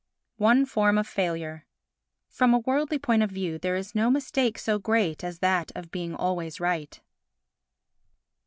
One Form of Failure From a worldly point of view there is no mistake so great as that of being always right.